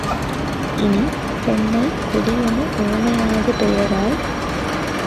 இனி, பெண்ணைக் கொடியென உவமையாகுபெயராற்